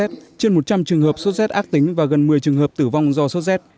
trên một trăm linh trường hợp sốt rét ác tính và gần một mươi trường hợp tử vong do sốt rét